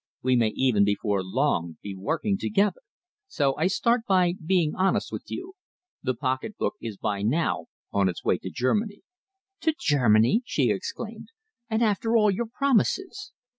We may even before long be working together. So I start by being honest with you. The pocketbook is by now on its way to Germany." "To Germany?" she exclaimed. "And after all your promises!"